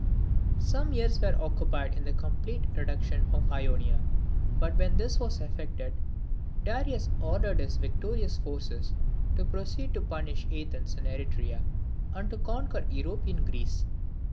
'" Some years were occupied in the complete reduction of Ionia. But when this was effected, Darius ordered his victorious forces to proceed to punish Athens and Eretria, and to conquer European Greece.